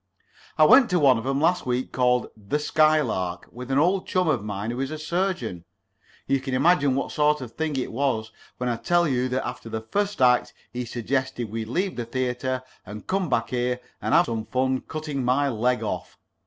I went to one of 'em last week called 'The Skylark,' with an old chum of mine who is a surgeon. You can imagine what sort of a thing it was when I tell you that after the first act he suggested we leave the theatre and come back here and have some fun cutting my leg off.